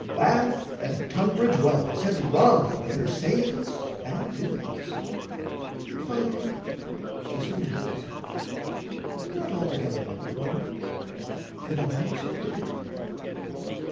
Bath and Tunbridge Wells had rung with her sayings and doings; and finally she surrendered herself, not altogether unwillingly, to the highest bidder.